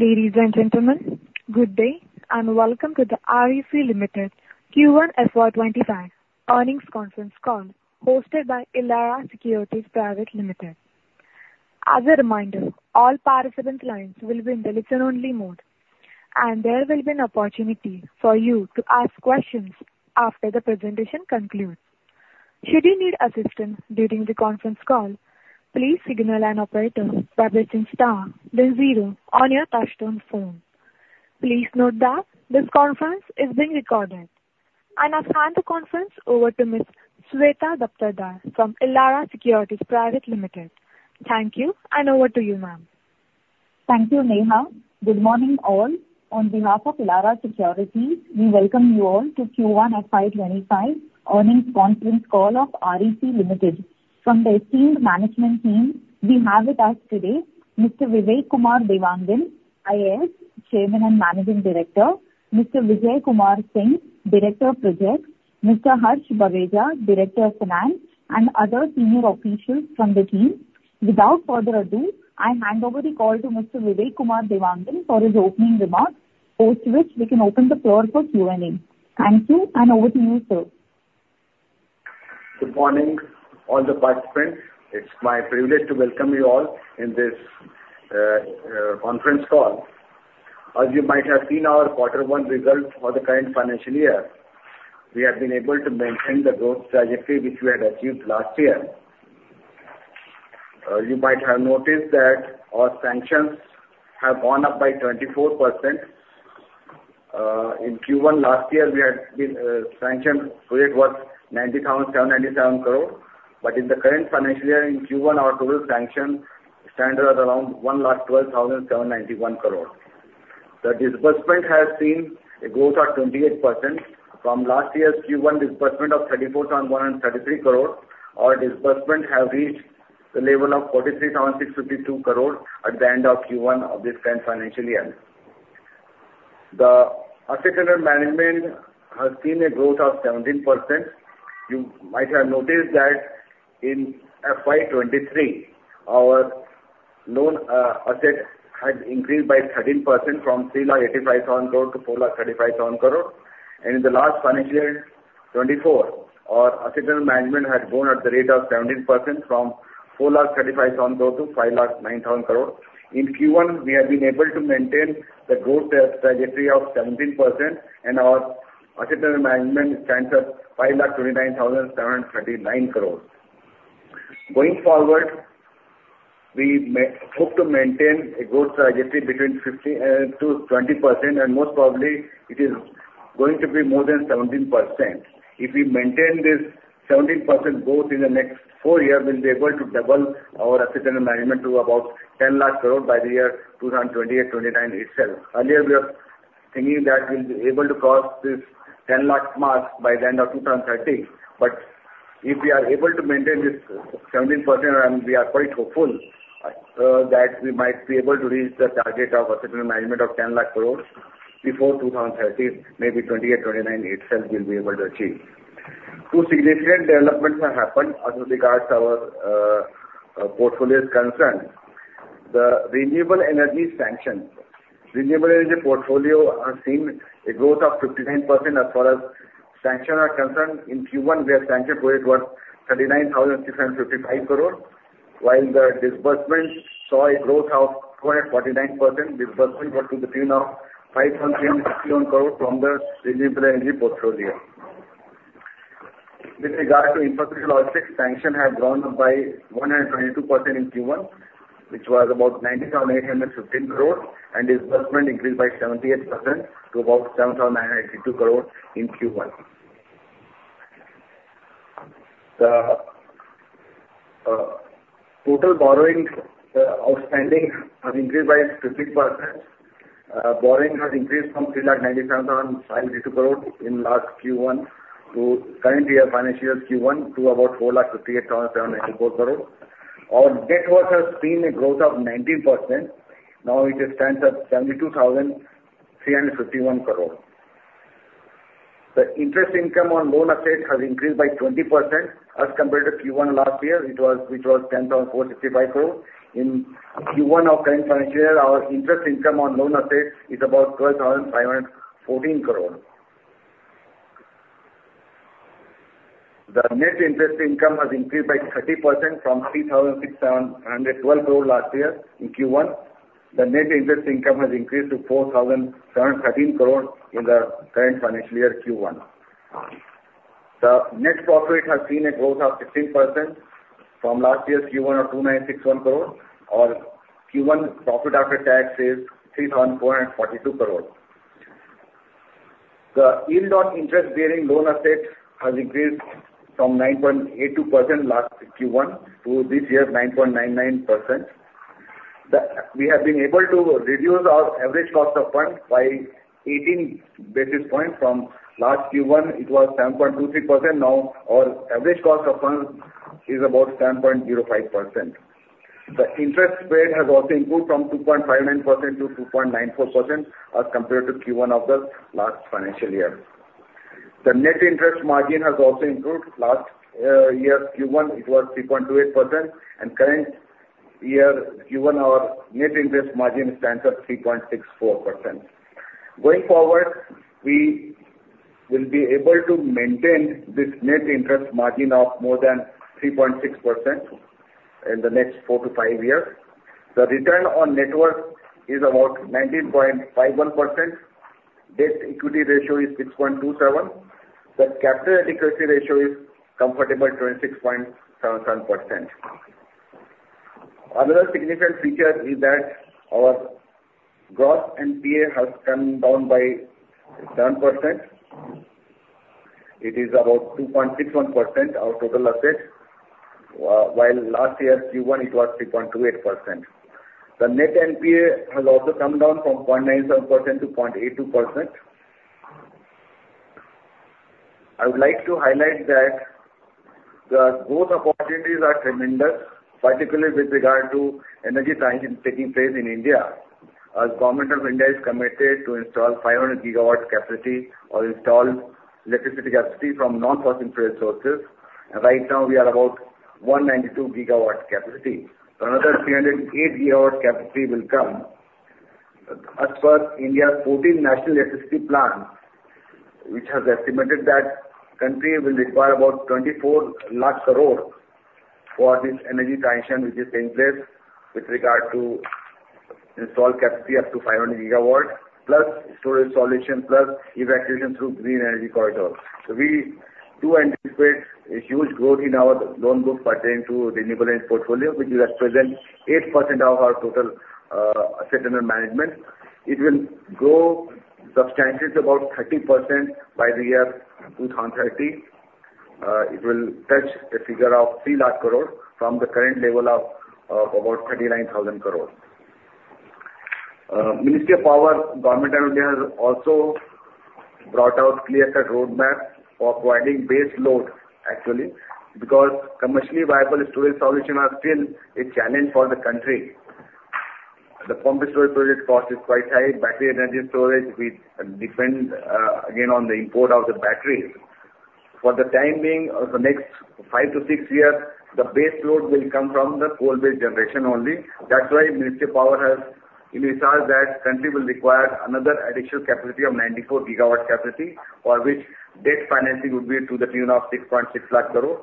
Ladies and gentlemen, good day and welcome to the REC Limited Q1 FY25 earnings conference call hosted by Elara Securities Private Limited. As a reminder, all participant lines will be in the listen-only mode, and there will be an opportunity for you to ask questions after the presentation concludes. Should you need assistance during the conference call, please signal an operator by pressing star then 0 on your touch-tone phone. Please note that this conference is being recorded. I now hand the conference over to Ms. Sweta Daptardar from Elara Securities Private Limited. Thank you, and over to you, ma'am. Thank you, Neela. Good morning, all. On behalf of Elara Securities, we welcome you all to the Q1 FY25 earnings conference call of REC Limited. From the esteemed management team, we have with us today Mr. Vivek Kumar Dewangan, IAS Chairman and Managing Director, Mr. Vijay Kumar Singh, Director of Projects, Mr. Harsh Baweja, Director of Finance, and other senior officials from the team. Without further ado, I hand over the call to Mr. Vivek Kumar Dewangan for his opening remarks, post which we can open the floor for Q&A. Thank you, and over to you, sir. Good morning, all the participants. It's my privilege to welcome you all in this conference call. As you might have seen, our Quarter One results for the current financial year, we have been able to maintain the growth trajectory which we had achieved last year. You might have noticed that our sanctions have gone up by 24%. In Q1 last year, we had been sanctioned with 90,797 crores, but in the current financial year in Q1, our total sanction standard is around 112,791 crores. The disbursement has seen a growth of 28% from last year's Q1 disbursement of 34,133 crores. Our disbursement has reached the level of 43,652 crores at the end of Q1 of this current financial year. The asset under management has seen a growth of 17%. You might have noticed that in FY23, our loan asset had increased by 13% from 385,000 crores to 435,000 crores. In the last financial year 2024, our asset under management had grown at the rate of 17% from 435,000 crore to 509,000 crore. In Q1, we have been able to maintain the growth trajectory of 17%, and our asset under management stands at INR 529,739 crore. Going forward, we hope to maintain a growth trajectory between 15%-20%, and most probably, it is going to be more than 17%. If we maintain this 17% growth in the next four years, we'll be able to double our asset under management to about 1,000,000 crore by the year 2028-29 itself. Earlier, we were thinking that we'll be able to cross this 1,000,000 crore mark by the end of 2030, but if we are able to maintain this 17%, we are quite hopeful that we might be able to reach the target of asset under management of 1,000,000 crore before 2030, maybe 2028-2029 itself we'll be able to achieve. Two significant developments have happened as regards our portfolio's concern. The renewable energy sanctions, renewable energy portfolio has seen a growth of 59% as far as sanctions are concerned. In Q1, we have sanctioned 39,655 crore, while the disbursement saw a growth of 249%. Disbursement was to the tune of 510,000 crore from the renewable energy portfolio. With regard to infrastructure logistics, sanctions have grown by 122% in Q1, which was about 90,815 crore, and disbursement increased by 78% to about 7,982 crore in Q1. The total borrowing outstanding has increased by 15%. Borrowing has increased from 397,552 crores in last Q1 to current year financial year Q1 to about 458,794 crores. Our debt work has seen a growth of 19%. Now it stands at 72,351 crores. The interest income on loan assets has increased by 20% as compared to Q1 last year, which was 10,465 crores. In Q1 of current financial year, our interest income on loan assets is about 12,514 crores. The net interest income has increased by 30% from 3,612 crores last year in Q1. The net interest income has increased to 4,713 crores in the current financial year Q1. The net profit has seen a growth of 16% from last year's Q1 of 2,961 crores. Our Q1 profit after tax is 3,442 crores. The yield on interest-bearing loan assets has increased from 9.82% last Q1 to this year's 9.99%. We have been able to reduce our average cost of funds by 18 basis points. From last Q1, it was 7.23%. Now our average cost of funds is about 7.05%. The interest rate has also improved from 2.59% to 2.94% as compared to Q1 of the last financial year. The net interest margin has also improved. Last year's Q1, it was 3.28%, and current year Q1, our net interest margin stands at 3.64%. Going forward, we will be able to maintain this net interest margin of more than 3.6% in the next 4 to 5 years. The return on net worth is about 19.51%. Debt-equity ratio is 6.27. The capital adequacy ratio is comfortable 26.77%. Another significant feature is that our gross NPA has come down by 7%. It is about 2.61% of our total assets, while last year's Q1, it was 3.28%. The net NPA has also come down from 0.97% to 0.82%. I would like to highlight that the growth opportunities are tremendous, particularly with regard to energy sanctions taking place in India, as the Government of India is committed to install 500 GW capacity or install electricity capacity from non-fossil fuel sources. Right now, we are about 192 GW capacity. Another 308 GW capacity will come. As per India's 14th National Electricity Plants, which has estimated that the country will require about 2,400,000 crore for this energy transition, which is taking place with regard to install capacity up to 500 GW, plus storage solution, plus evacuation through green energy corridors. So we do anticipate a huge growth in our loan book pertaining to renewable energy portfolio, which will represent 8% of our total asset under management. It will grow substantially to about 30% by the year 2030. It will touch a figure of 300,000 crore from the current level of about 39,000 crore. Ministry of Power, Government of India have also brought out clear-cut roadmaps for providing base load, actually, because commercially viable storage solutions are still a challenge for the country. The pumped storage project cost is quite high. Battery energy storage will depend again on the import of the batteries. For the time being, for the next 5-6 years, the base load will come from the coal-based generation only. That's why Ministry of Power has initiated that the country will require another additional capacity of 94 GW, for which debt financing would be to the tune of 660,000 crore.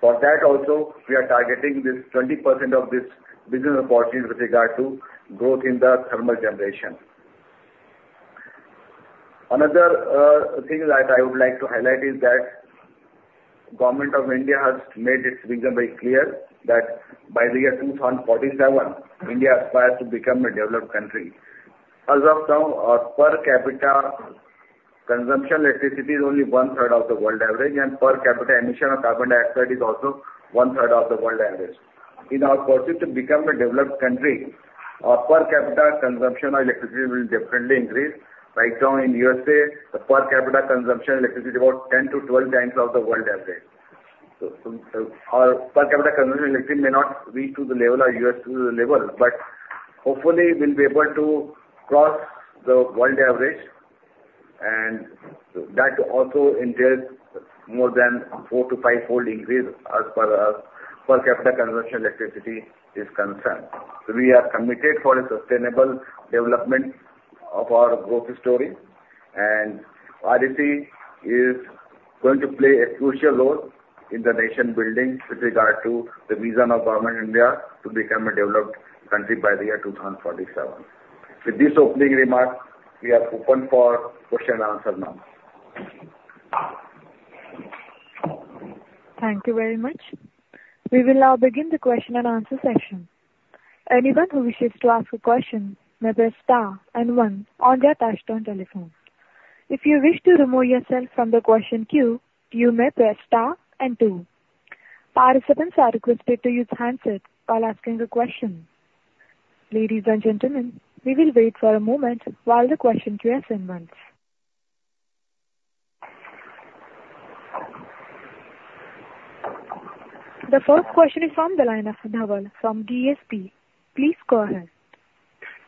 For that also, we are targeting this 20% of this business opportunity with regard to growth in the thermal generation. Another thing that I would like to highlight is that the Government of India has made its vision very clear that by the year 2047, India aspires to become a developed country. As of now, our per capita consumption of electricity is only one-third of the world average, and per capita emission of carbon dioxide is also one-third of the world average. In our pursuit to become a developed country, our per capita consumption of electricity will definitely increase. Right now, in the USA, the per capita consumption of electricity is about 10-12 times of the world average. Our per capita consumption of electricity may not reach the level of US level, but hopefully, we'll be able to cross the world average, and that also entails more than four- to five-fold increase as far as per capita consumption of electricity is concerned. So we are committed for a sustainable development of our growth story, and REC is going to play a crucial role in the nation building with regard to the vision of Government of India to become a developed country by the year 2047. With these opening remarks, we are open for questions and answers now. Thank you very much. We will now begin the question and answer session. Anyone who wishes to ask a question may press star and one on their touch-tone telephone. If you wish to remove yourself from the question queue, you may press star and two. Participants are requested to use handsets while asking a question. Ladies and gentlemen, we will wait for a moment while the question queue assignments. The first question is from the line of Naval from DSP. Please go ahead.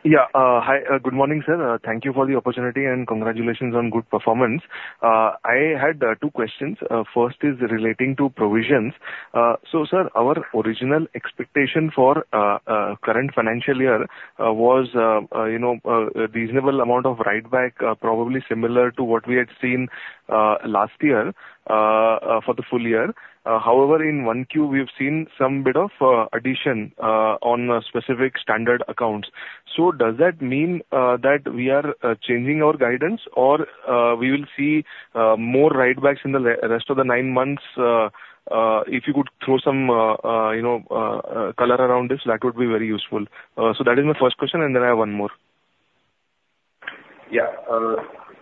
Yeah, hi, good morning, sir. Thank you for the opportunity and congratulations on good performance. I had two questions. First is relating to provisions. So, sir, our original expectation for the current financial year was a reasonable amount of write-back, probably similar to what we had seen last year for the full year. However, in 1Q, we've seen some bit of addition on specific standard accounts. So does that mean that we are changing our guidance, or will we see more write-backs in the rest of the nine months? If you could throw some color around this, that would be very useful. So that is my first question, and then I have one more. Yeah,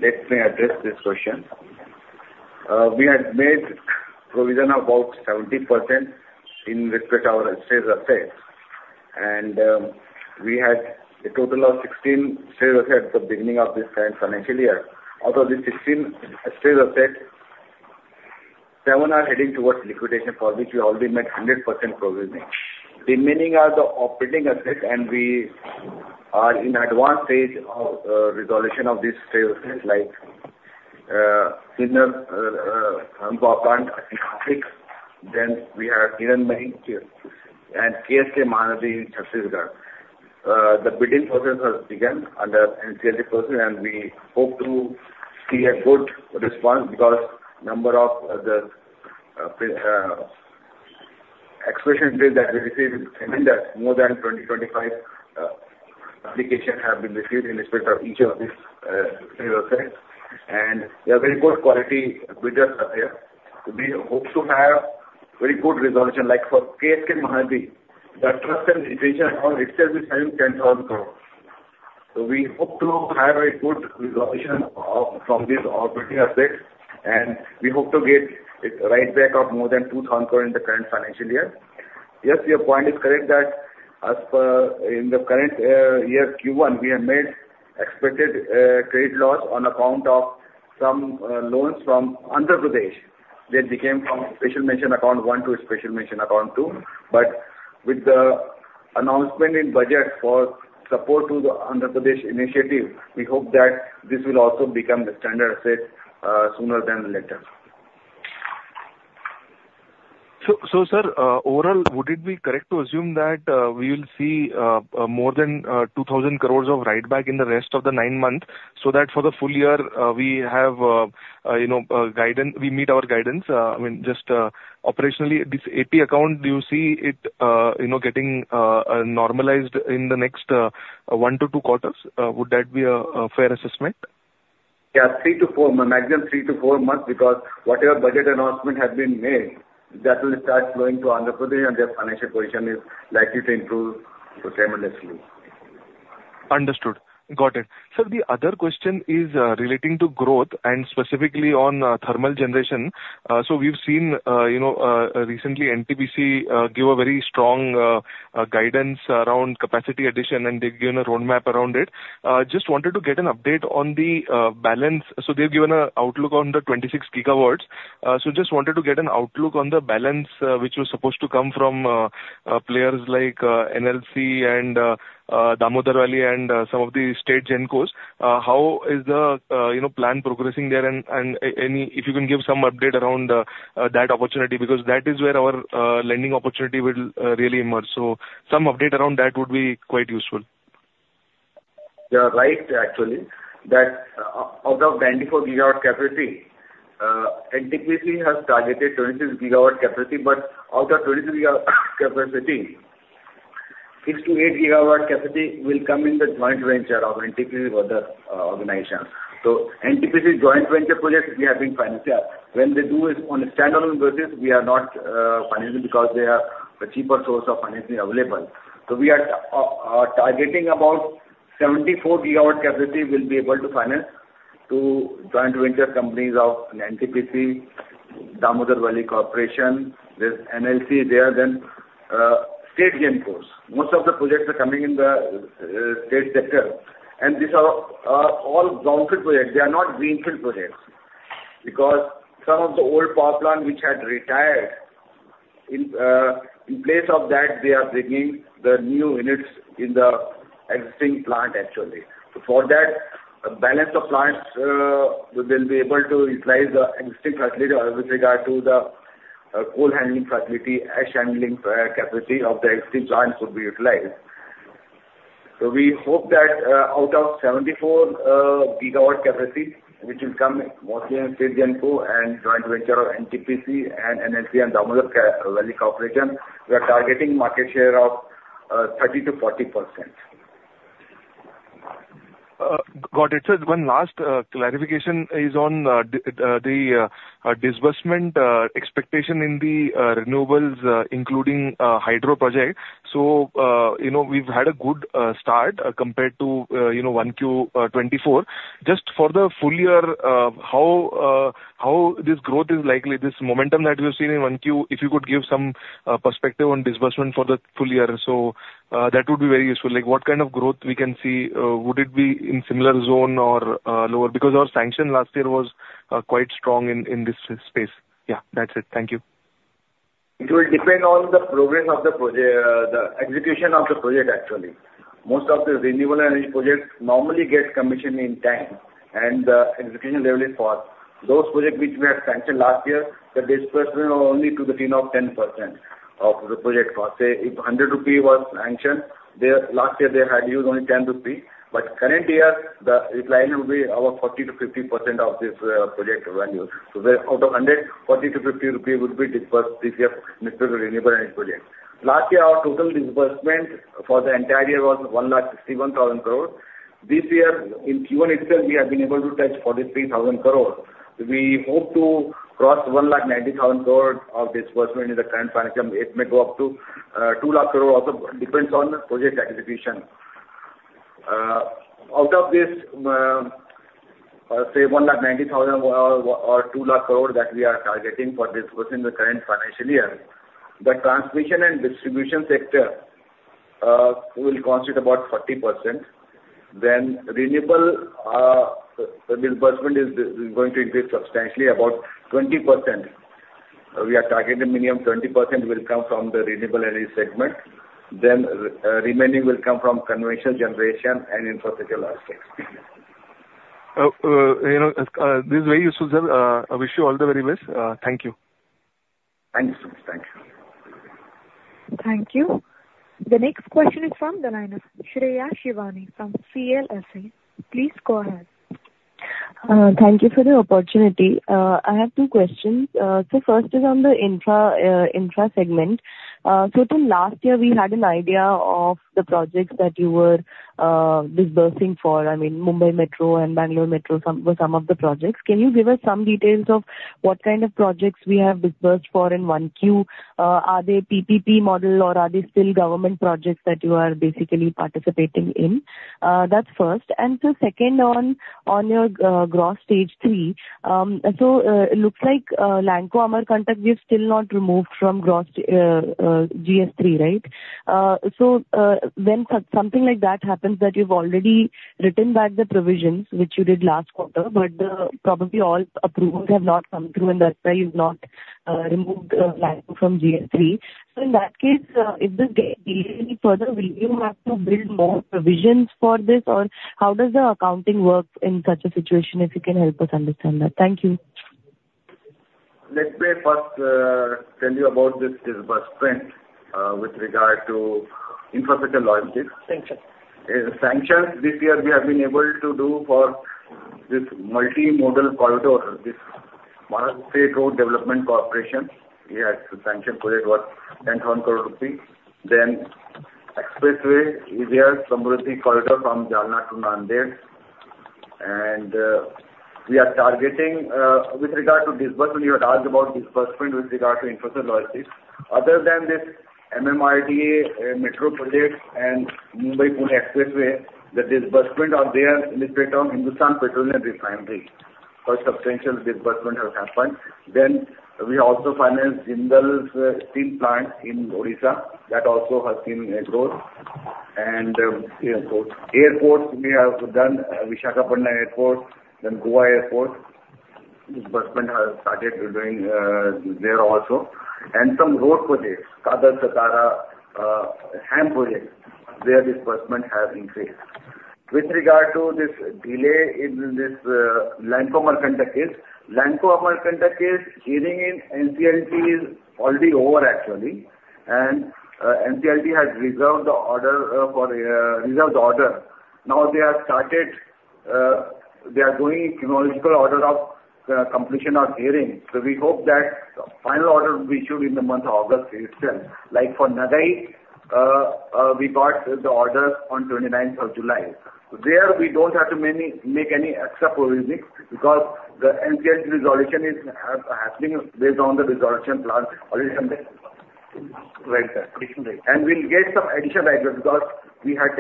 let me address this question. We had made provision of about 70% in respect to our asset assets, and we had a total of 16 assets at the beginning of this current financial year. Out of these 16 assets, seven are heading towards liquidation, for which we already met 100% provision. The remaining are the operating assets, and we are in the advanced stage of resolution of these assets, like Sinnar Thermal Power Plant in Nashik, then we have Hiranmaye Energy and KSK Mahanadi in Chhattisgarh. The bidding process has begun under NCLT process, and we hope to see a good response because the number of the acquisition bids that we received in that more than 20-25 applications have been received in respect of each of these assets, and they are very good quality bidders here. We hope to have very good resolution, like for KSK Mahanadi, the trust and litigation account itself is having INR 10,000 crore. So we hope to have a good resolution from these operating assets, and we hope to get a write-back of more than 2,000 crore in the current financial year. Yes, your point is correct that as per in the current year Q1, we have made expected credit loss on account of some loans from Andhra Pradesh that became from Special Mention Account One to Special Mention Account Two. But with the announcement in budget for support to the Andhra Pradesh initiative, we hope that this will also become the standard asset sooner than later. So sir, overall, would it be correct to assume that we will see more than 2,000 crore of write-back in the rest of the nine months so that for the full year, we have a guidance, we meet our guidance? I mean, just operationally, this AP account, do you see it getting normalized in the next one to two quarters? Would that be a fair assessment? Yeah, 3-4, maximum 3-4 months, because whatever budget announcement has been made, that will start flowing to Andhra Pradesh, and their financial position is likely to improve tremendously. Understood. Got it. Sir, the other question is relating to growth and specifically on thermal generation. So we've seen recently NTPC give a very strong guidance around capacity addition, and they've given a roadmap around it. Just wanted to get an update on the balance. So they've given an outlook on the 26 GW. So just wanted to get an outlook on the balance, which was supposed to come from players like NLC and Damodar Valley and some of the state Gencos. How is the plan progressing there? And if you can give some update around that opportunity, because that is where our lending opportunity will really emerge. So some update around that would be quite useful. You're right, actually, that out of 94 GW capacity, NTPC has targeted 26 GW capacity, but out of 26 GW capacity, 6-8 GW capacity will come in the joint venture of NTPC with other organizations. So NTPC joint venture projects we have been financing. When they do it on a standalone basis, we are not financing because they are a cheaper source of financing available. So we are targeting about 74 GW capacity we'll be able to finance through joint venture companies of NTPC, Damodar Valley Corporation, NLC there, then state Gencos. Most of the projects are coming in the state sector, and these are all brownfield projects. They are not greenfield projects because some of the old power plants, which had retired, in place of that, they are bringing the new units in the existing plant, actually. So for that, a balance of plants will be able to utilize the existing facility with regard to the coal handling facility, ash handling capacity of the existing plants would be utilized. So we hope that out of 74 GW capacity, which will come mostly in state Genco and joint venture of NTPC and NLC and Damodar Valley Corporation, we are targeting market share of 30%-40%. Got it. Sir, one last clarification is on the disbursement expectation in the renewables, including hydro projects. So we've had a good start compared to 1Q24. Just for the full year, how this growth is likely, this momentum that we've seen in 1Q, if you could give some perspective on disbursement for the full year, so that would be very useful. What kind of growth we can see? Would it be in similar zone or lower? Because our sanction last year was quite strong in this space. Yeah, that's it. Thank you. It will depend on the progress of the project, the execution of the project, actually. Most of the renewable energy projects normally get commissioned in time, and the execution level is fast. Those projects which we have sanctioned last year, the disbursement was only to the tune of 10% of the project cost. Say if 100 rupee was sanctioned, last year they had used only 10 rupee, but current year, the replacement will be about 40%-50% of this project revenue. So out of 100, 40-50 rupees would be disbursed if you have missed the renewable energy project. Last year, our total disbursement for the entire year was 161,000 crore. This year, in Q1 itself, we have been able to touch 43,000 crore. We hope to cross 190,000 crore of disbursement in the current financial year. It may go up to 2,000,000 crore also. It depends on project execution. Out of this, say 190,000 or 2,000,000 crores that we are targeting for disbursing in the current financial year, the transmission and distribution sector will constitute about 40%. Renewable disbursement is going to increase substantially, about 20%. We are targeting a minimum of 20% will come from the renewable energy segment. Remaining will come from conventional generation and infrastructure logistics. This is very useful, sir. I wish you all the very best. Thank you. Thank you so much. Thank you. Thank you. The next question is from the line of Shreya Shivani from CLSA. Please go ahead. Thank you for the opportunity. I have two questions. So first is on the infra segment. So last year, we had an idea of the projects that you were disbursing for. I mean, Mumbai Metro and Bangalore Metro were some of the projects. Can you give us some details of what kind of projects we have disbursed for in 1Q? Are they PPP model, or are they still government projects that you are basically participating in? That's first. And so second, on your gross Stage 3, so it looks like Lanco Amarkantak, we've still not removed from gross Stage 3, right? So when something like that happens, that you've already written back the provisions, which you did last quarter, but probably all approvals have not come through, and that's why you've not removed Lanco from Stage 3. So in that case, if this delays any further, will you have to build more provisions for this, or how does the accounting work in such a situation? If you can help us understand that. Thank you. Let me first tell you about this disbursement with regard to infrastructure logistics. Thank you. The sanctions this year we have been able to do for this multimodal corridor, this Maharashtra State Road Development Corporation. We had sanctioned project worth INR 10,000 crore. Then Expressway, Samruddhi Mahamarg from Jalna to Nanded. And we are targeting with regard to disbursement, you had asked about disbursement with regard to infrastructure logistics. Other than this, MMRDA, Metro Projects, and Mumbai-Pune Expressway, the disbursement are there in the state of Hindustan Petroleum Corporation Limited. So substantial disbursement has happened. Then we also financed Jindal Steel & Power Limited in Odisha that also has seen growth. And airports, we have done Visakhapatnam Airport, then Goa Airport. Disbursement has started doing there also. And some road projects, Kagal-Satara projects, their disbursement has increased. With regard to this delay in this Lanco Amarkantak case, Lanco Amarkantak case hearing in NCLT is already over, actually. And NCLT has reserved the order for reserved order. Now they are started, they are going [in] chronological order of completion of hearing. So we hope that final order will be issued in the month of August itself. Like for Nadai, we got the order on 29th of July. So there we don't have to make any extra provisions because the NCLT resolution is happening based on the resolution plan already and will get some additional write-back because we had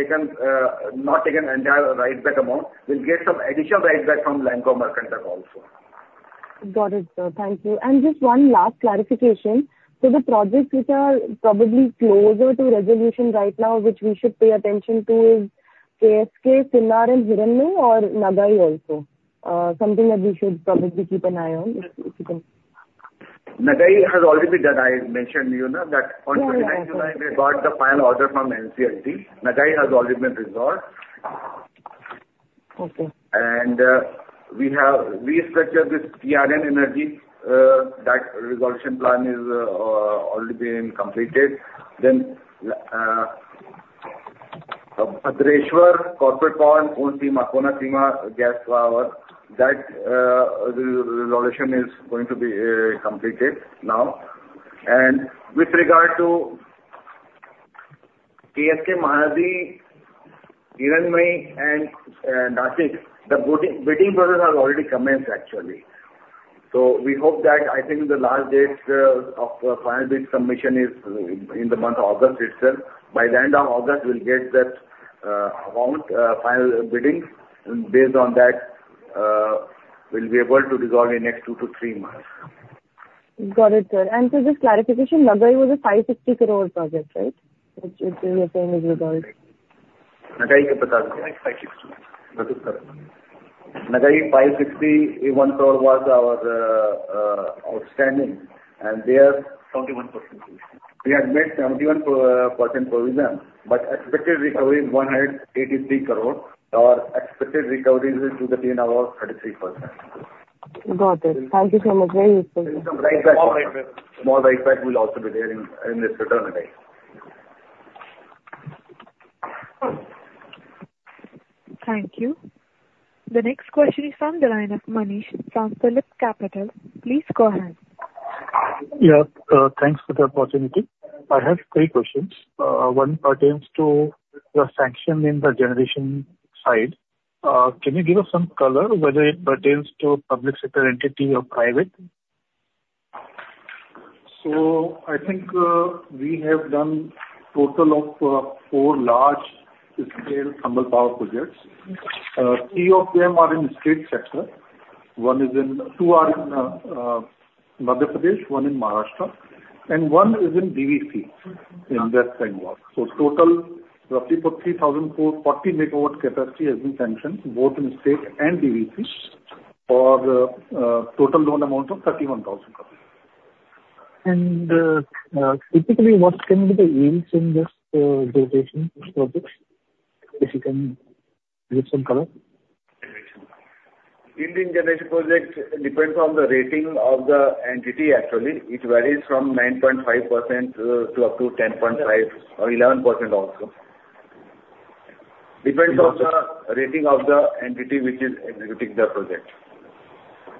not taken entire write-back amount. We'll get some additional write-back from Lanco Amarkantak also. Got it, sir. Thank you. Just one last clarification. So the projects which are probably closer to resolution right now, which we should pay attention to, is KSK, Sinnar, Hiranmaye, or Madurai also? Something that we should probably keep an eye on. Madurai has already been done. I mentioned that on 29th of July, we got the final order from NCLT. Madurai has already been resolved. And we have restructured this TRN Energy that resolution plan is already being completed. Then Bhadreshwar, Konaseema Gas Power, that resolution is going to be completed now. And with regard to KSK Mahanadi, Hiranmaye and Sinnar, the bidding process has already commenced, actually. So we hope that I think the last date of final bid submission is in the month of August itself. By the end of August, we'll get that final bidding. Based on that, we'll be able to resolve in the next two to three months. Got it, sir. And so just clarification, Nadai was a 560 crore project, right? Which you're saying is resolved. Madurai Power Corporation. ₹560. Madurai ₹560, ₹1 crore was our outstanding. And there. 71%. We had met 71% provision, but expected recovery is 183 crore. Our expected recovery is to the tune of about 33%. Got it. Thank you so much. Very useful. Small right back will also be there in this return date. Thank you. The next question is from the line of Manish from PhillipCapital. Please go ahead. Yeah. Thanks for the opportunity. I have three questions. One pertains to the sanction in the generation side. Can you give us some color whether it pertains to public sector entity or private? So I think we have done a total of 4 large-scale thermal power projects. Three of them are in the state sector. Two are in Madhya Pradesh, one in Maharashtra, and one is in DVC in West Bengal. So total roughly 40,000 crore, 40 megawatt capacity has been sanctioned, both in state and DVC, for a total loan amount of 31,000 crore. Typically, what can be the AUMs in this generation projects? If you can give some color. In the generation project, it depends on the rating of the entity, actually. It varies from 9.5% to up to 10.5% or 11% also. Depends on the rating of the entity which is executing the project.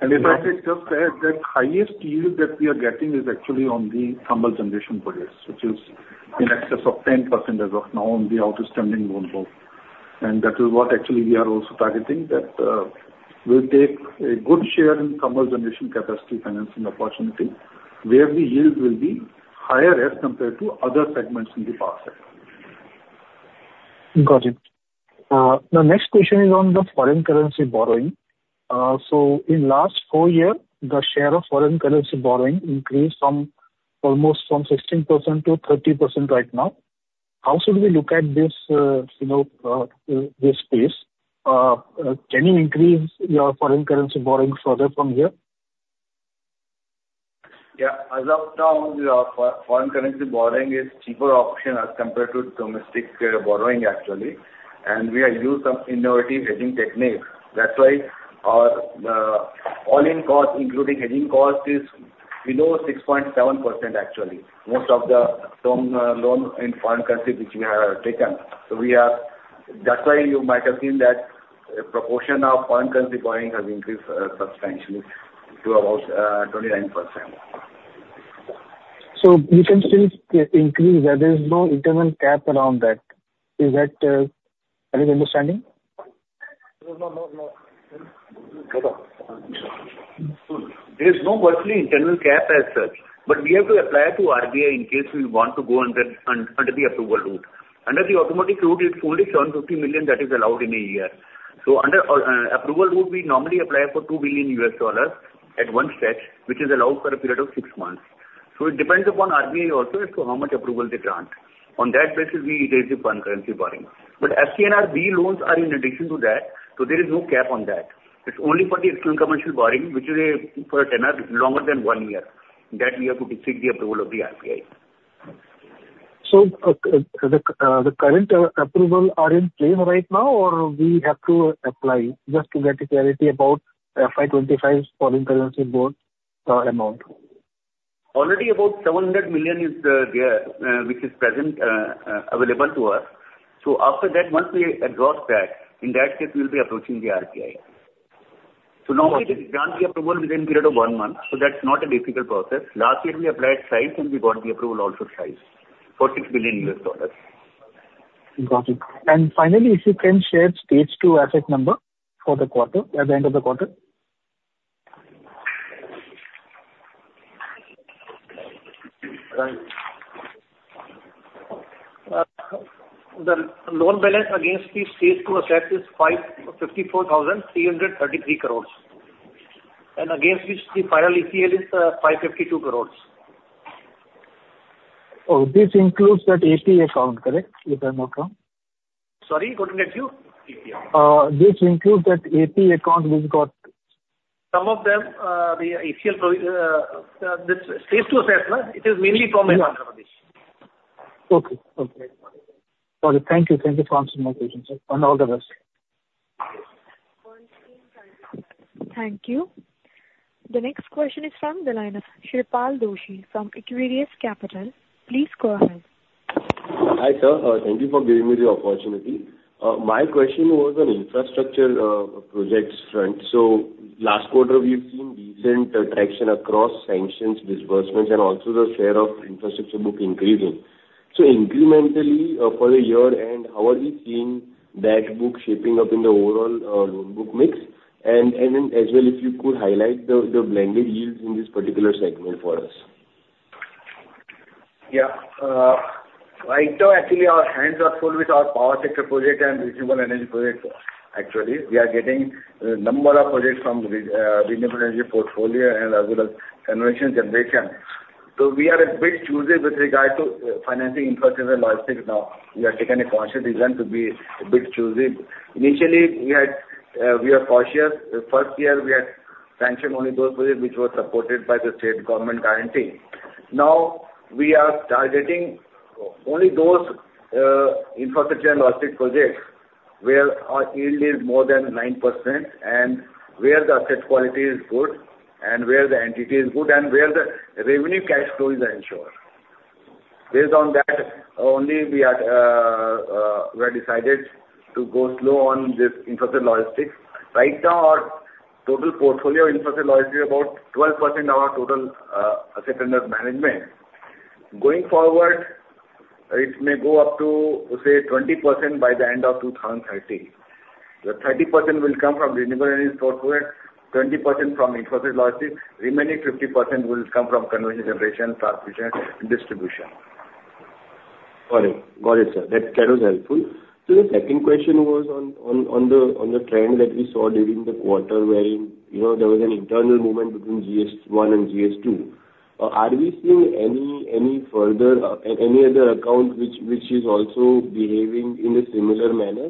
If I may just add that highest yield that we are getting is actually on the thermal generation projects, which is in excess of 10% as of now on the outstanding loan pool. That is what actually we are also targeting, that we'll take a good share in thermal generation capacity financing opportunity where the yield will be higher as compared to other segments in the power sector. Got it. The next question is on the foreign currency borrowing. So in the last 4 years, the share of foreign currency borrowing increased almost from 16%-30% right now. How should we look at this space? Can you increase your foreign currency borrowing further from here? Yeah. As of now, foreign currency borrowing is a cheaper option as compared to domestic borrowing, actually. We have used some innovative hedging techniques. That's why our all-in cost, including hedging cost, is below 6.7%, actually, most of the loan in foreign currency which we have taken. That's why you might have seen that the proportion of foreign currency borrowing has increased substantially to about 29%. You can still increase that there is no internal cap around that. Is that an understanding? No, no, no. There is virtually no internal cap as such. But we have to apply to RBI in case we want to go under the approval route. Under the automatic route, it's only 750 million that is allowed in a year. So under approval route, we normally apply for $2 billion at one stretch, which is allowed for a period of 6 months. So it depends upon RBI also as to how much approval they grant. On that basis, we raise the foreign currency borrowing. But FCNRB loans are in addition to that. So there is no cap on that. It's only for the external commercial borrowing, which is for a tenor longer than 1 year that we have to seek the approval of the RBI. So the current approvals are in place right now, or we have to apply just to get clarity about FY25 foreign currency borrowing amount? Already about 700 million is there, which is present, available to us. So after that, once we address that, in that case, we'll be approaching the RBI. So normally, they grant the approval within a period of one month. So that's not a difficult process. Last year, we applied twice, and we got the approval also twice for $6 billion. Got it. Finally, if you can share Stage 2 asset number for the quarter at the end of the quarter. The loan balance against the Stage 2 asset is 54,333 crores, and against which the final ECL is 552 crores. This includes that AP account, correct? If I'm not wrong. Sorry, couldn't get you. This includes that AP account which got. Some of them, the EPL, this stage two asset, it is mainly from Bangladesh. Okay, okay. Got it. Thank you. Thank you for answering my question, sir. And all the best. Thank you. The next question is from the line of Shreepal Doshi from Equirus Capital. Please go ahead. Hi sir. Thank you for giving me the opportunity. My question was on infrastructure projects front. Last quarter, we've seen decent traction across sanctions, disbursements, and also the share of infrastructure book increasing. Incrementally for the year, how are we seeing that book shaping up in the overall loan book mix? And then as well, if you could highlight the blended yields in this particular segment for us. Yeah. Right now, actually, our hands are full with our power sector project and renewable energy projects, actually. We are getting a number of projects from renewable energy portfolio and as well as conventional generation. So we are a bit choosy with regard to financing infrastructure logistics now. We have taken a conscious decision to be a bit choosy. Initially, we were cautious. The first year, we had sanctioned only those projects which were supported by the state government guarantee. Now, we are targeting only those infrastructure logistics projects where our yield is more than 9% and where the asset quality is good and where the entity is good and where the revenue cash flow is ensured. Based on that, only we have decided to go slow on this infrastructure logistics. Right now, our total portfolio of infrastructure logistics is about 12% of our total asset under management. Going forward, it may go up to, say, 20% by the end of 2030. The 30% will come from renewable energy portfolio, 20% from infrastructure logistics, remaining 50% will come from conventional generation, transmission, and distribution. Got it. Got it, sir. That was helpful. The second question was on the trend that we saw during the quarter where there was an internal movement between GS1 and GS2. Are we seeing any further, any other account which is also behaving in a similar manner?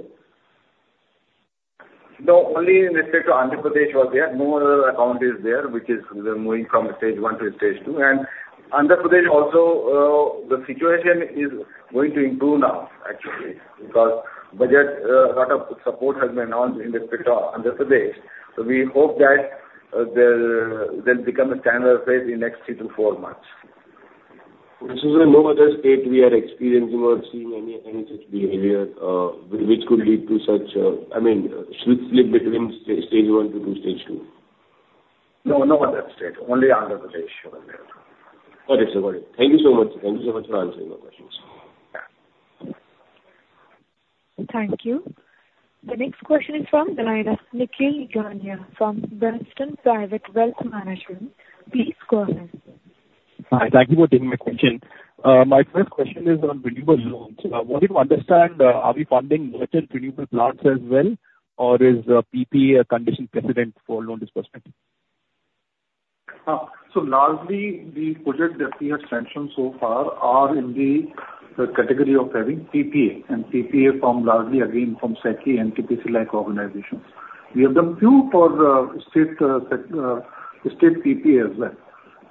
No. Only in the state of Andhra Pradesh was there. No other account is there, which is moving from Stage 1 to Stage 2. Andhra Pradesh also, the situation is going to improve now, actually, because a lot of support has been announced in the state of Andhra Pradesh. We hope that they'll become a standard asset in the next 3 to 4 months. So this is the low-order state we are experiencing or seeing any such behavior which could lead to such, I mean, slip between Stage 1 to Stage 2? No, no other state. Only Andhra Pradesh only. Got it. Got it. Thank you so much. Thank you so much for answering my questions. Thank you. The next question is from the line of Nikhil Nigania from Bernstein. Please go ahead. Hi. Thank you for taking my question. My first question is on renewable loans. I wanted to understand, are we funding merchant renewable plants as well, or is PPA a condition precedent for loan disbursement? So largely, the projects that we have sanctioned so far are in the category of having PPA, and PPA from largely, again, from SECI, NTPC-like organizations. We have done 2 for state PPA as well.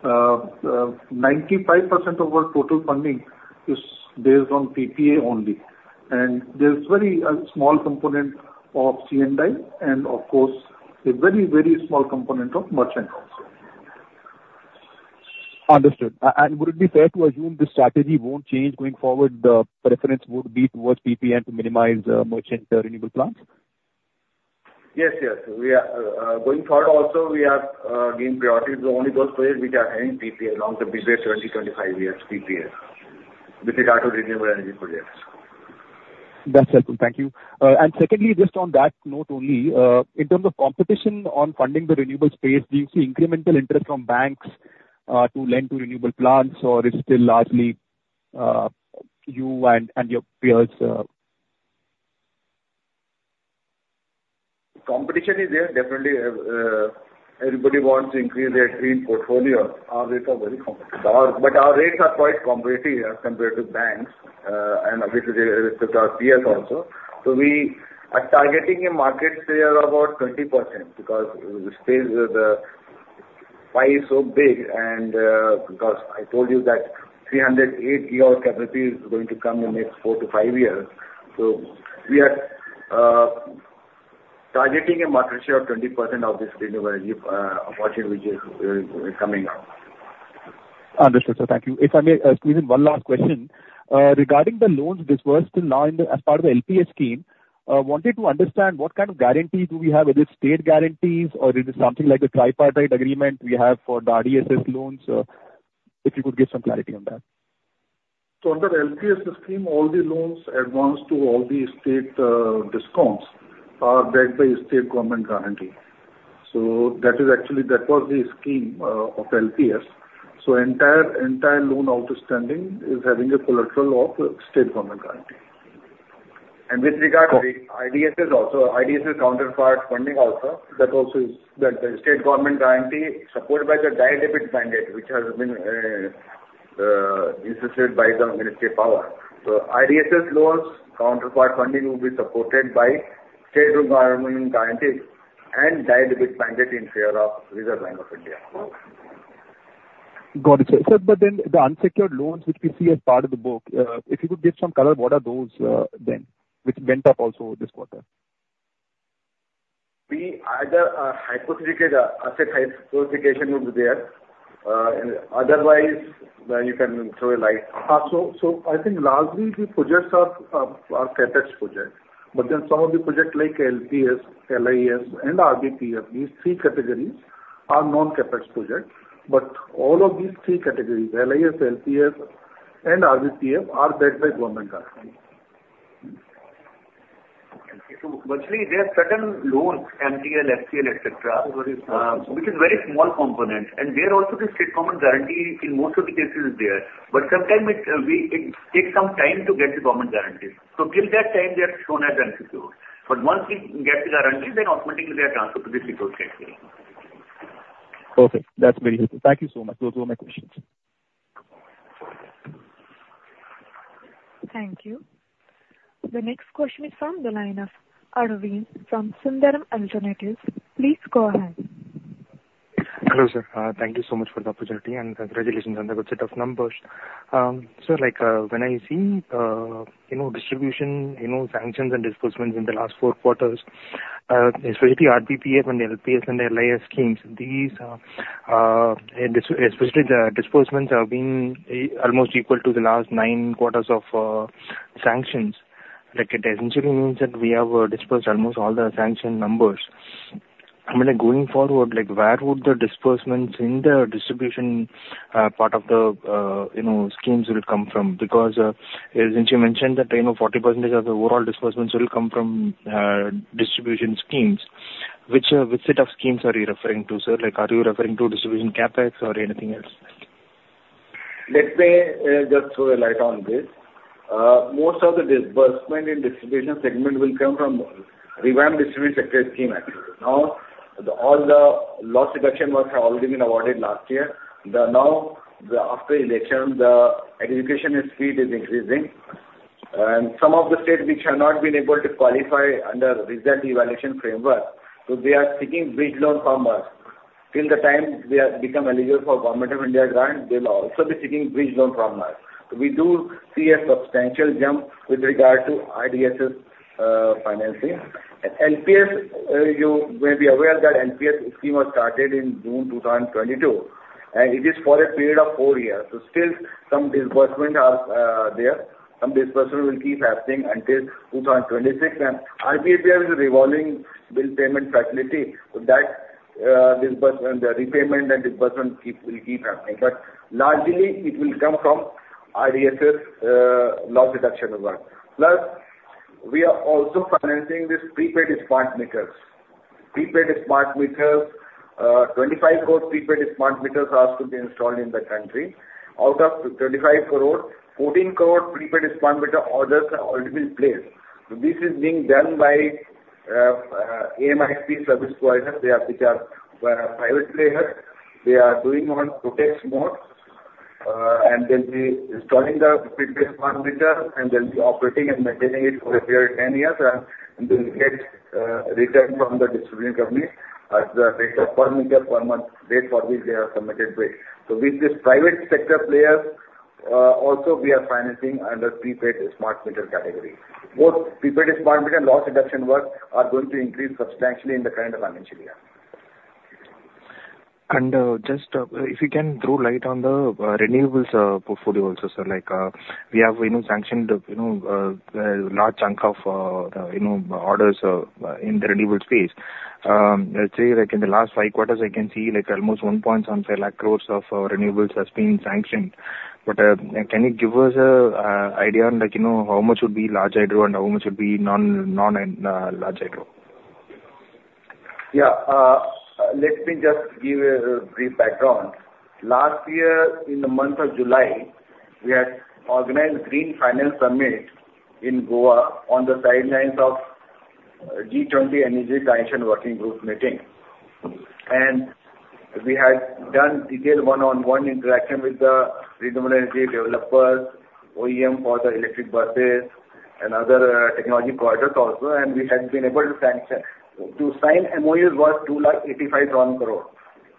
95% of our total funding is based on PPA only. And there's a very small component of C&I, and of course, a very, very small component of merchant also. Understood. And would it be fair to assume this strategy won't change going forward? The preference would be towards PPA and to minimize merchant renewable plants? Yes, yes. Going forward also, we have given priority to only those projects which are having PPA along the by 2025 years, PPA, which are to renewable energy projects. That's helpful. Thank you. Secondly, just on that note only, in terms of competition on funding the renewable space, do you see incremental interest from banks to lend to renewable plants, or is it still largely you and your peers? Competition is there. Definitely, everybody wants to increase their green portfolio. Our rates are very competitive. Our rates are quite competitive as compared to banks and obviously with our peers also. We are targeting a market share of about 20% because the space is so big. Because I told you that 308 GW capital is going to come in the next four to five years. We are targeting a market share of 20% of this renewable energy opportunity which is coming out. Understood, sir. Thank you. If I may squeeze in one last question. Regarding the loans disbursed now as part of the LPS scheme, I wanted to understand what kind of guarantees do we have? Is it state guarantees, or is it something like the tripartite agreement we have for the RDSS loans? If you could give some clarity on that. So under the LPS scheme, all the loans advanced to all the state discoms are backed by state government guarantee. So that was the scheme of LPS. So entire loan outstanding is having a collateral of state government guarantee. And with regard to the RDSS also, RDSS counterpart funding also, that also is that the state government guarantee supported by the Direct Debit Mandate, which has been insisted by the Ministry of Power. So RDSS loans counterpart funding will be supported by state government guarantee and Direct Debit Mandate in favor of Reserve Bank of India. Got it, sir. But then the unsecured loans which we see as part of the book, if you could give some color, what are those then which went up also this quarter? Whether hypothecation of assets, hypothecation will be there. Otherwise, you can throw light. So I think largely, the projects are CapEx projects. But then some of the projects like LPS, LIS, and RBPF, these three categories are non-CapEx projects. But all of these three categories, LIS, LPS, and RBPF, are backed by government guarantee. So mostly there are certain loans, MTL, STL, etc., which is a very small component. And there also, the state government guarantee in most of the cases is there. But sometimes it takes some time to get the government guarantee. So till that time, they are shown as unsecured. But once we get the guarantee, then automatically they are transferred to the secured sector. Okay. That's very helpful. Thank you so much. Those were my questions. Thank you. The next question is from the line of Arvind from Sundaram Alternates. Please go ahead. Hello, sir. Thank you so much for the opportunity. Congratulations on the good set of numbers. Sir, when I see distribution sanctions and disbursements in the last 4 quarters, especially RBPF and LPS and LIS schemes, especially the disbursements have been almost equal to the last 9 quarters of sanctions. It essentially means that we have disbursed almost all the sanction numbers. I mean, going forward, where would the disbursements in the distribution part of the schemes come from? Because as you mentioned, that 40% of the overall disbursements will come from distribution schemes. Which set of schemes are you referring to, sir? Are you referring to distribution CAPEX or anything else? Let me just throw a light on this. Most of the disbursement in distribution segment will come from Revamped Distribution Sector Scheme. Now, all the loss reduction work has already been awarded last year. Now, after election, the execution speed is increasing. And some of the states, which have not been able to qualify under the reform evaluation framework, so they are seeking bridge loan from us. Till the time they become eligible for Government of India grant, they will also be seeking bridge loan from us. So we do see a substantial jump with regard to RDSS financing. And LPS, you may be aware that LPS scheme was started in June 2022. And it is for a period of four years. So still, some disbursements are there. Some disbursements will keep happening until 2026. And RBPF is a revolving bill payment facility. So that repayment and disbursement will keep happening. But largely, it will come from RDSS loss reduction work. Plus, we are also financing these prepaid smart meters. Prepaid smart meters, 25 crore prepaid smart meters are to be installed in the country. Out of 25 crore, 14 crore prepaid smart meter orders have already been placed. So this is being done by AMISP Service Providers, which are private players. They are doing on project mode. And they'll be installing the prepaid smart meter, and they'll be operating and maintaining it for a period of 10 years. And they'll get revenue from the distribution company at the rate of per meter per month rate for which they are submitted with. So with this private sector players, also we are financing under prepaid smart meter category. Both prepaid smart meter and loss reduction work are going to increase substantially in the current financial year. Just if you can throw light on the renewables portfolio also, sir, we have sanctioned a large chunk of the orders in the renewable space. Let's say in the last 5 quarters, I can see almost 175,000 crore of renewables has been sanctioned. But can you give us an idea on how much would be large hydro and how much would be non-large hydro? Yeah. Let me just give a brief background. Last year, in the month of July, we had organized Green Finance Summit in Goa on the sidelines of G20 Energy Transition Working Group meeting. We had done detailed one-on-one interaction with the renewable energy developers, OEM for the electric buses, and other technology projects also. We had been able to sign MOUs worth 285,000 crore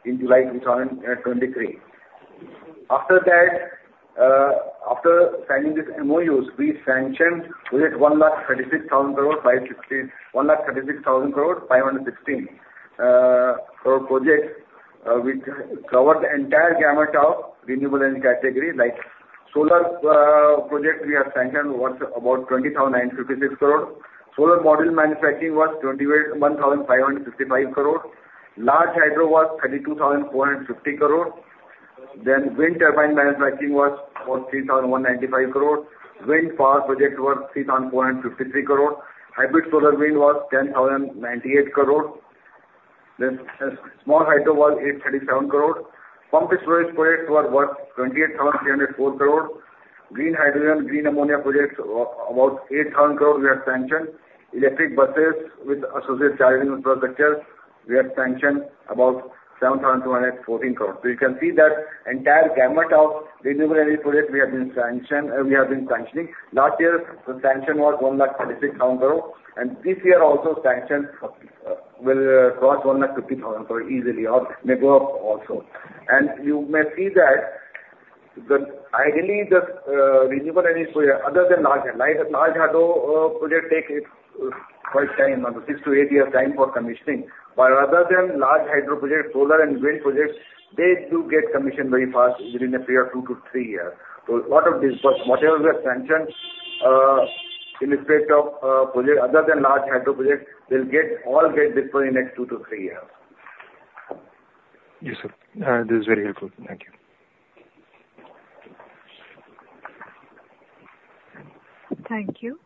in July 2023. After signing these MOUs, we sanctioned with 136,000 crore, 516,000 crore, 516 crore projects which covered the entire gamut of renewable energy category. Like solar projects, we have sanctioned worth about 20,956 crore. Solar module manufacturing was 21,565 crore. Large hydro was 32,450 crore. Then wind turbine manufacturing was 43,195 crore. Wind power project worth 3,453 crore. Hybrid solar wind was 10,098 crore. Small hydro was 837 crore. Pumped storage projects were worth 28,304 crore. Green Hydrogen and Green Ammonia projects about 8,000 crore we have sanctioned. Electric Buses with associated charging infrastructure we have sanctioned about 7,214 crore. So you can see that entire gamut of renewable energy projects we have been sanctioning. Last year, the sanction was 136,000 crore. And this year also, sanctions will cross 150,000 crore easily or may go up also. And you may see that ideally, the renewable energy project, other than large hydro projects, take quite time, 6-8 years time for commissioning. But other than large hydro projects, solar and wind projects, they do get commissioned very fast within a period of 2-3 years. So a lot of disbursements, whatever we have sanctioned in the state of projects, other than large hydro projects, they'll all get disbursed in the next 2-3 years. Yes, sir. This is very helpful. Thank you. Thank you.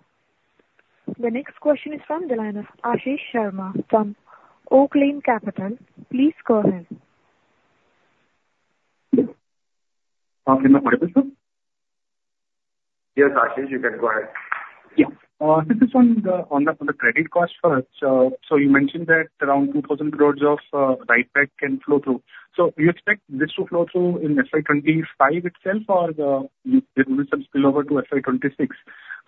The next question is from the line of Ashish Sharma from Oak Lane Capital. Please go ahead. Yes, Ashish, you can go ahead. Yes. This is on the credit costs. So you mentioned that around 2,000 crore of RIDEPAC can flow through. So you expect this to flow through in FY 2025 itself, or will it spill over to FY 2026?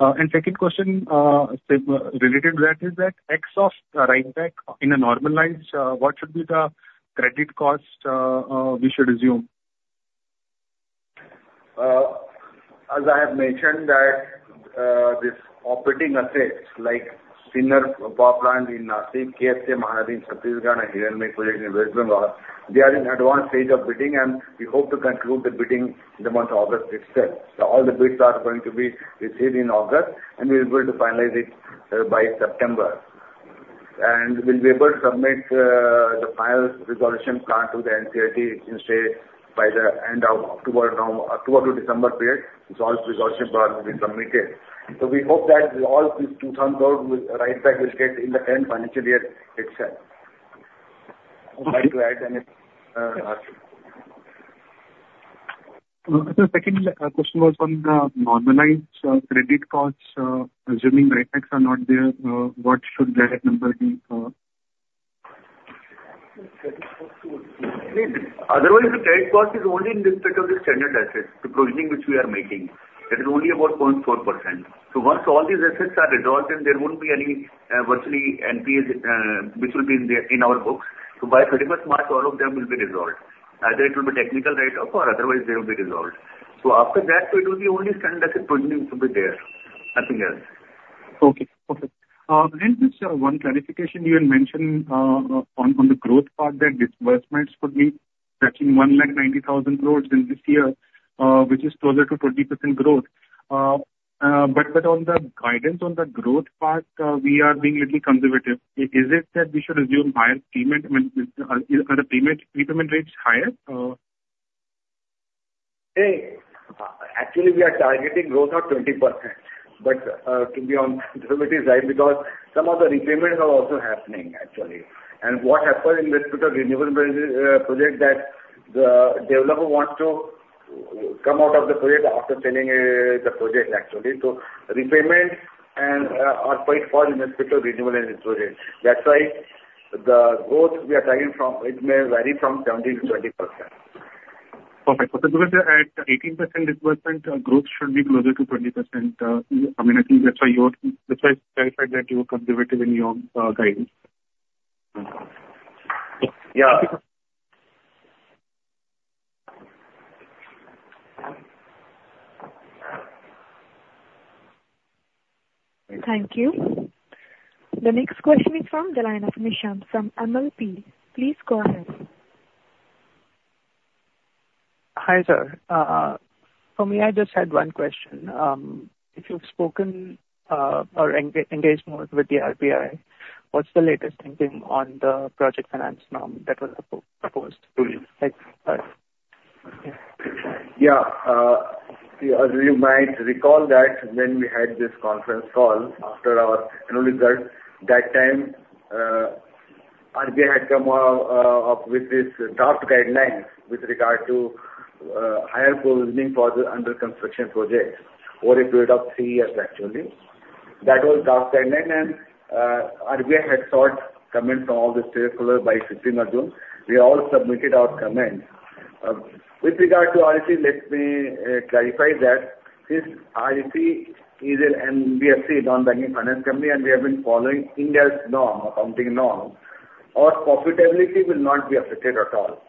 And second question related to that is that XOF RIDEPAC in a normalized, what should be the credit cost we should assume? As I have mentioned, this operating assets like Sinnar Power Plant in Nashik, KSK Mahanadi in Chhattisgarh and Hegel Lake project in West Bengal, they are in advanced stage of bidding. We hope to conclude the bidding in the month of August itself. All the bids are going to be received in August, and we're able to finalize it by September. We'll be able to submit the final resolution plan to the NCLT in state by the end of October to December period. This all resolution plan will be submitted. We hope that all these 2,000 crore RECPDCL will get in the current financial year itself. If I could add anything, Ash. Sir, second question was on the normalized credit costs. Assuming RIDEPACs are not there, what should that number be? Otherwise, the credit cost is only in the case of the standard assets, the provisioning which we are making. That is only about 0.4%. So once all these assets are resolved, then there won't be any virtually NPAs which will be in our books. So by 31st March, all of them will be resolved. Either it will be technical write-off or otherwise they will be resolved. So after that, it will be only standard asset provisioning to be there. Nothing else. Okay. Perfect. And just one clarification. You had mentioned on the growth part that disbursements could be touching 190,000 crore this year, which is closer to 20% growth. But on the guidance on the growth part, we are being a little conservative. Is it that we should assume higher payment? Are the payment repayment rates higher? Actually, we are targeting growth of 20%. But to be honest, it is right because some of the repayments are also happening, actually. And what happened in this particular renewable project that the developer wants to come out of the project after selling the project, actually. So repayments are quite far in this particular renewable energy project. That's why the growth we are targeting from it may vary from 17%-20%. Perfect. So at 18% disbursement, growth should be closer to 20%. I mean, I think that's why I clarified that you were conservative in your guidance. Yeah. Thank you. The next question is from the line of Misham from MLP. Please go ahead. Hi, sir. For me, I just had one question. If you've spoken or engaged more with the RBI, what's the latest thinking on the project finance norm that was proposed? Yeah. As you might recall that when we had this conference call after our results, that time RBI had come up with this tough guidelines with regard to higher provisioning for the under construction projects over a period of three years, actually. That was tough guideline. RBI had sought comment from all the stakeholders by 15th June. We all submitted our comments. With regard to REC, let me clarify that since REC is an NBFC, Non-Banking Finance Company, and we have been following Indian norm, accounting norm, our profitability will not be affected at all.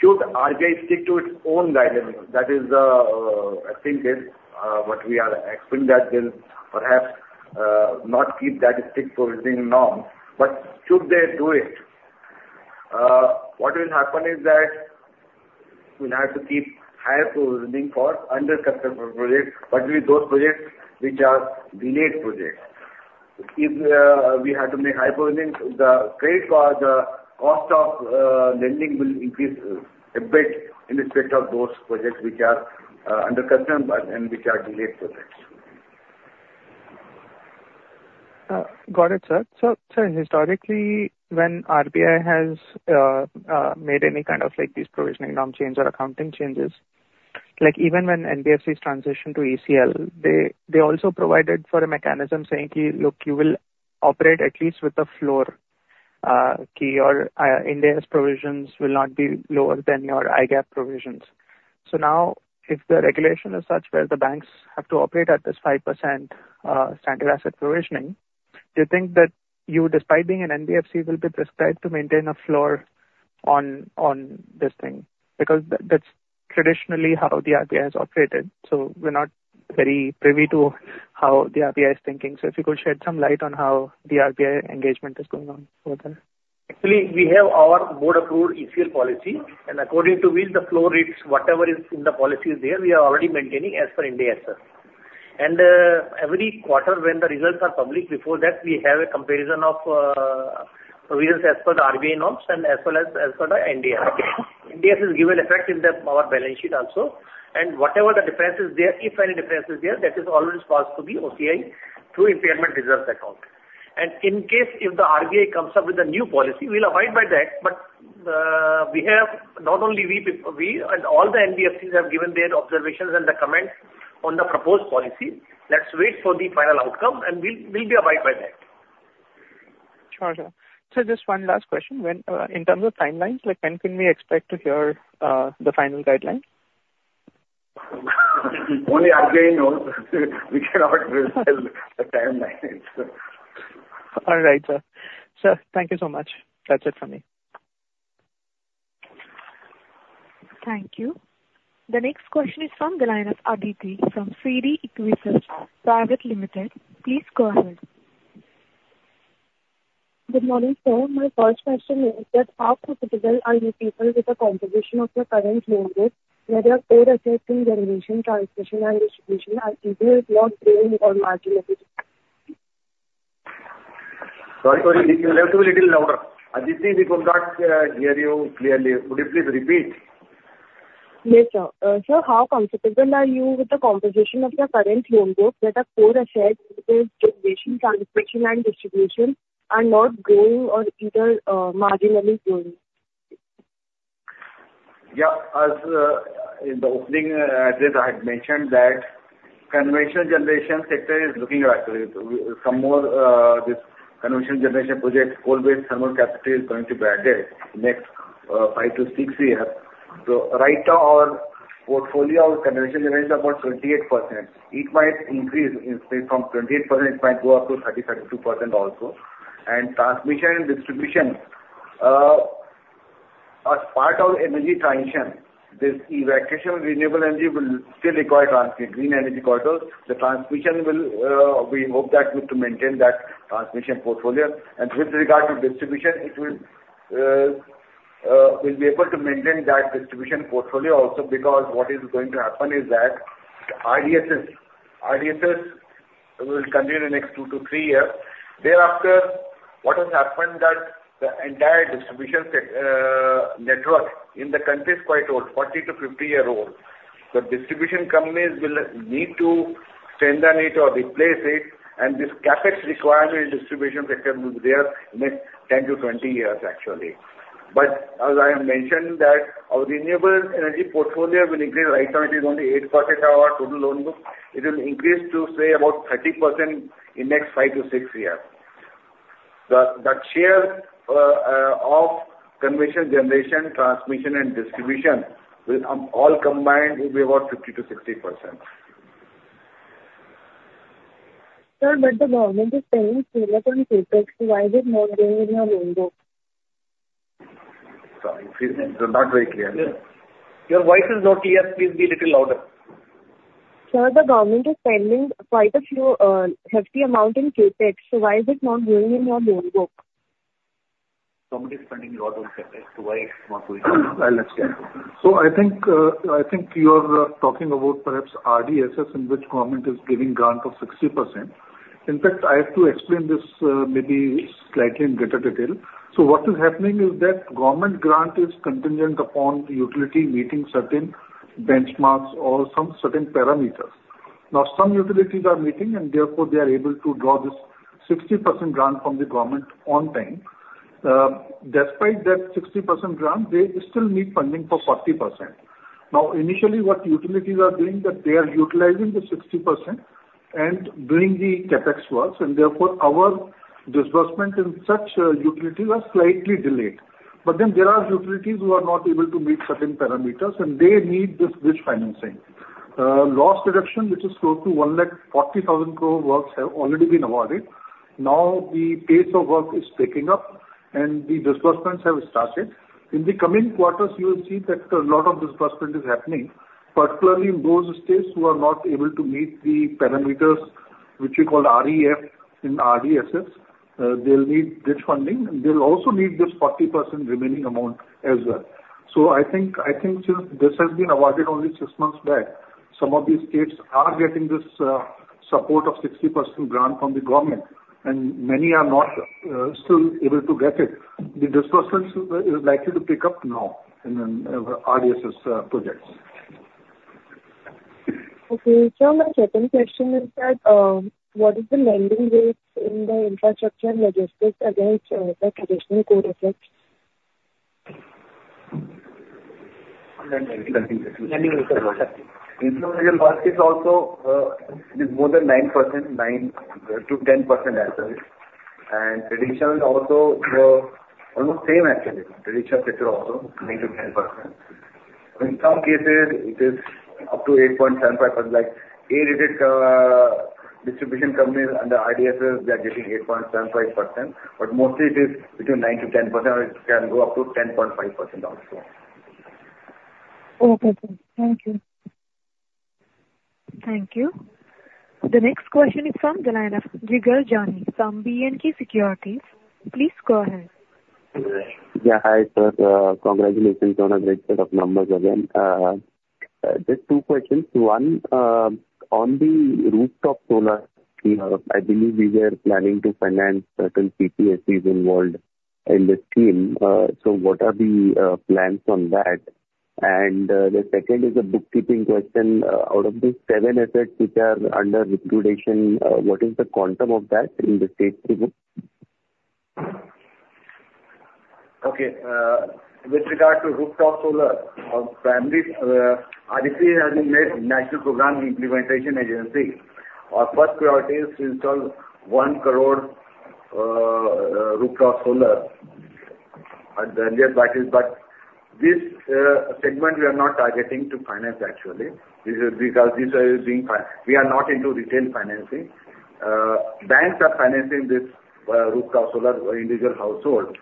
Should RBI stick to its own guidelines? That is, I think, what we are expecting that they'll perhaps not keep that strict provisioning norm. But should they do it, what will happen is that we'll have to keep higher provisioning for under construction projects, particularly those projects which are delayed projects. If we have to make high provisioning, the credit for the cost of lending will increase a bit in respect of those projects which are under construction and which are delayed projects. Got it, sir. So historically, when RBI has made any kind of these provisioning norm change or accounting changes, even when NBFCs transitioned to ECL, they also provided for a mechanism saying, "Look, you will operate at least with the floor key, or India's provisions will not be lower than your IGAP provisions." So now, if the regulation is such where the banks have to operate at this 5% standard asset provisioning, do you think that you, despite being an NBFC, will be prescribed to maintain a floor on this thing? Because that's traditionally how the RBI has operated. So we're not very privy to how the RBI is thinking. So if you could shed some light on how the RBI engagement is going on over there? Actually, we have our board-approved ECL policy. And according to which the floor rates, whatever is in the policies there, we are already maintaining as per Ind AS itself. And every quarter, when the results are published, before that, we have a comparison of provisions as per the RBI norms and as well as as per the Ind AS. Ind AS is given effect in our balance sheet also. And whatever the difference is there, if any difference is there, that is always passed to the OCI through impairment reserves account. And in case if the RBI comes up with a new policy, we'll abide by that. But we have not only we and all the NBFCs have given their observations and the comments on the proposed policy. Let's wait for the final outcome, and we'll abide by that. Gotcha. So just one last question. In terms of timelines, when can we expect to hear the final guidelines? Only RBI knows. We cannot tell the timelines. All right, sir. Sir, thank you so much. That's it for me. Thank you. The next question is from the line of Aditi from CD Equisearch Private Limited. Please go ahead. Good morning, sir. My first question is that how profitable are you people with the composition of your current loan group, where your core assets in generation, transmission, and distribution are either blocked or marginalized? Sorry, sorry. You were a little louder. Aditi, we could not hear you clearly. Could you please repeat? Yes, sir. Sir, how comfortable are you with the composition of your current loan group where the core assets with generation, transmission, and distribution are not growing or either marginally growing? Yeah. As in the opening address, I had mentioned that conventional generation sector is looking at some more this conventional generation project, coal-based thermal capacity is going to be added next 5 to 6 years. So right now, our portfolio of conventional generation is about 28%. It might increase from 28%; it might go up to 30%-32% also. And transmission and distribution, as part of energy transition, this evacuation of renewable energy will still require green energy corridors. The transmission will be hoped that we can maintain that transmission portfolio. And with regard to distribution, we'll be able to maintain that distribution portfolio also because what is going to happen is that RDSS will continue the next 2 to 3 years. Thereafter, what has happened is that the entire distribution network in the country is quite old, 40-50 years old. The distribution companies will need to extend the need or replace it. This CAPEX requirement in distribution sector will be there in the next 10-20 years, actually. But as I have mentioned, our renewable energy portfolio will increase. Right now, it is only 8% of our total loan group. It will increase to, say, about 30% in the next five to six years. The share of conventional generation, transmission, and distribution will all combine to be about 50%-60%. Sir, but the government is paying similar to the CAPEX. Why is it not growing in your loan group? Sorry. Not very clear. Your voice is not clear. Please be a little louder. Sir, the government is spending quite a hefty amount in CapEx. So why is it not growing in your loan group? Government is spending a lot on CapEx. Why is it not growing? Well, let's check. I think you're talking about perhaps RDSS in which government is giving grant of 60%. In fact, I have to explain this maybe slightly in greater detail. What is happening is that government grant is contingent upon utility meeting certain benchmarks or some certain parameters. Now, some utilities are meeting, and therefore, they are able to draw this 60% grant from the government on time. Despite that 60% grant, they still need funding for 40%. Now, initially, what utilities are doing is that they are utilizing the 60% and doing the CAPEX work. And therefore, our disbursement in such utilities are slightly delayed. But then there are utilities who are not able to meet certain parameters, and they need this bridge financing. Loss reduction, which is close to 140,000 crore works, have already been awarded. Now, the pace of work is picking up, and the disbursements have started. In the coming quarters, you will see that a lot of disbursement is happening, particularly in those states who are not able to meet the parameters which we call REF in RDSS. They'll need bridge funding, and they'll also need this 40% remaining amount as well. So I think since this has been awarded only six months back, some of these states are getting this support of 60% grant from the government, and many are not still able to get it. The disbursement is likely to pick up now in RDSS projects. Okay. Sir, my second question is that what is the lending rates in the infrastructure and logistics against the traditional core assets? Lending rates are also more than 9%, 9%-10%, actually. Traditional is also almost same, actually. Traditional sector also, 9%-10%. In some cases, it is up to 8.75%. Like A-rated distribution companies under RDSS, they are getting 8.75%. But mostly, it is between 9%-10%, or it can go up to 10.5% also. Okay. Thank you. Thank you. The next question is from the line of Jigar Jani from BNK Securities. Please go ahead. Yeah. Hi, sir. Congratulations on a great set of numbers again. Just two questions. One, on the rooftop solar scheme, I believe we were planning to finance certain PPSCs involved in the scheme. So what are the plans on that? And the second is a bookkeeping question. Out of the seven assets which are under resolution, what is the quantum of that in the stressed book? Okay. With regard to rooftop solar, Aditi has been made National Program Implementation Agency. Our first priority is to install 1 crore rooftop solar at the NDF batteries. But this segment, we are not targeting to finance, actually, because we are not into retail financing. Banks are financing this rooftop solar for individual households.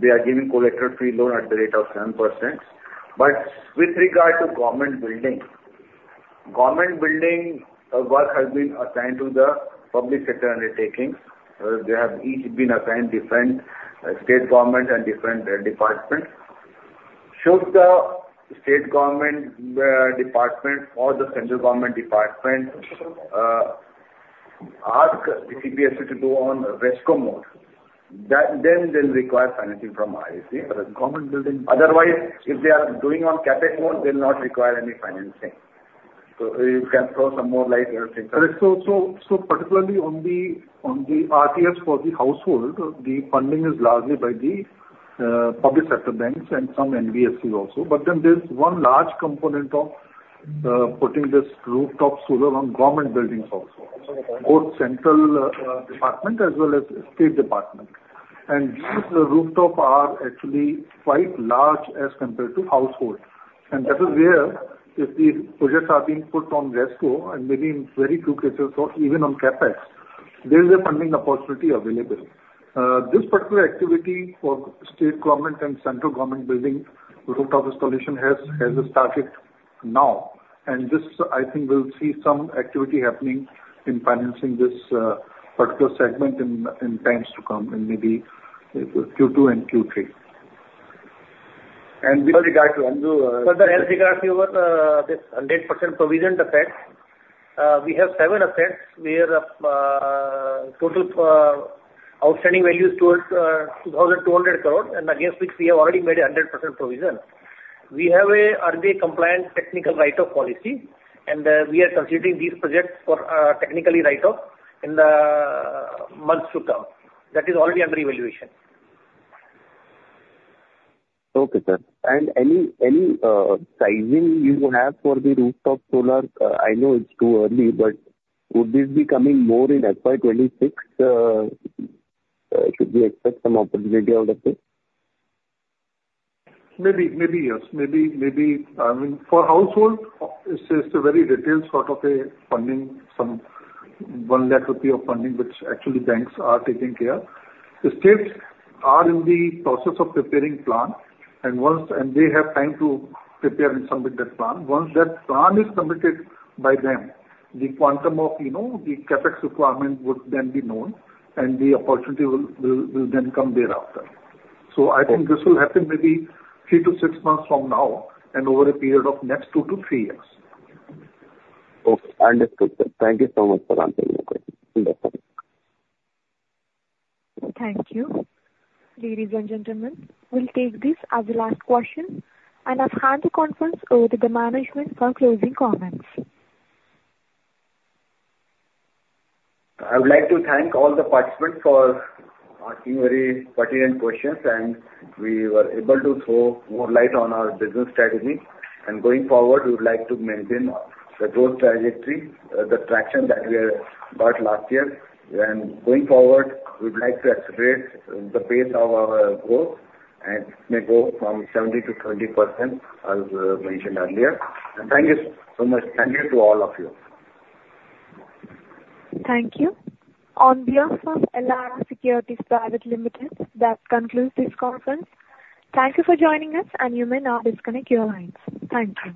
They are giving collateral-free loan at the rate of 7%. But with regard to government building, government building work has been assigned to the public sector undertakings. They have each been assigned different state government and different departments. Should the state government department or the central government department ask the PPSC to go on rescue mode, then they'll require financing from RDFC. Otherwise, if they are doing on CAPEX mode, they'll not require any financing. So you can throw some more light. So particularly on the RTF for the household, the funding is largely by the public sector banks and some NBFCs also. But then there's one large component of putting this rooftop solar on government buildings also, both central department as well as state department. And these rooftops are actually quite large as compared to household. And that is where if the projects are being put on rescue and maybe in very few cases or even on CAPEX, there is a funding opportunity available. This particular activity for state government and central government building rooftop installation has started now. And this, I think, will see some activity happening in financing this particular segment in times to come in maybe Q2 and Q3. With regard to Andrew, sir, can I ask you about this 100% provisioned assets? We have 7 assets where total outstanding value is towards 2,200 crore, and against which we have already made a 100% provision. We have an RDA-compliant technical write-off policy, and we are considering these projects for technical write-off in the months to come. That is already under evaluation. Okay, sir. And any sizing you have for the rooftop solar? I know it's too early, but would this be coming more in FY 2026? Should we expect some opportunity out of it? Maybe, maybe, yes. Maybe, maybe. I mean, for household, it's a very detailed sort of funding, some 1 million of funding, which actually banks are taking care. The states are in the process of preparing plans, and they have time to prepare and submit that plan. Once that plan is submitted by them, the quantum of the CapEx requirement would then be known, and the opportunity will then come thereafter. So I think this will happen maybe three to six months from now and over a period of next two to three years. Okay. Understood, sir. Thank you so much for answering my question. Thank you. Ladies and gentlemen, we'll take this as the last question. I've handed the conference over to the management for closing comments. I would like to thank all the participants for asking very pertinent questions, and we were able to throw more light on our business strategy. Going forward, we would like to maintain the growth trajectory, the traction that we got last year. Going forward, we would like to accelerate the pace of our growth, and it may go from 70%-20%, as mentioned earlier. Thank you so much. Thank you to all of you. Thank you. On behalf of Elara Securities Private Limited, that concludes this conference. Thank you for joining us, and you may now disconnect your lines. Thank you.